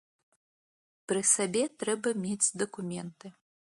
Пры сабе трэба мець дакументы.